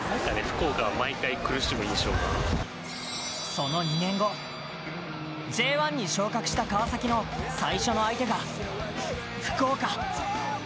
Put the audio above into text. その２年後、Ｊ１に昇格した川崎の最初の相手が福岡。